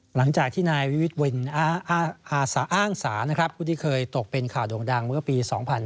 หลังจากที่นายวิวิตเวลาอ้างสาผู้ที่เคยตกเป็นข่าวดวงดังเมื่อปี๒๕๕๓